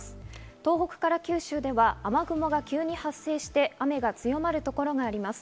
東北から九州では雨雲が急に発生して雨が強まるところがあります。